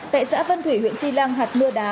tại xã vân thủy huyện tri lăng hạt mưa đá